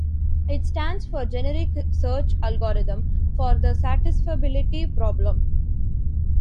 It stands for "Generic seaRch Algorithm for the Satisfiability Problem".